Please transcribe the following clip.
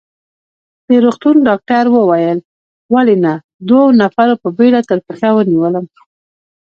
د روغتون ډاکټر وویل: ولې نه، دوو نفرو په بېړه تر پښه ونیولم.